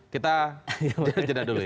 kita jadah dulu ya